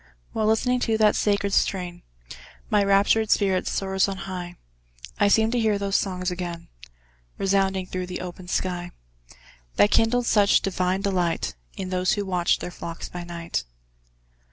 While listening to that sacred strain, My raptured spirit soars on high; I seem to hear those songs again Resounding through the open sky, That kindled such divine delight, In those who watched their flocks by night.